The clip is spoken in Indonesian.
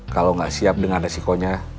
kalau nggak siap dengan resikonya